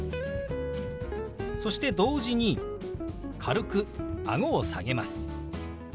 そして同時に軽くあごを下げます。